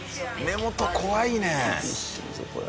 目元怖いね。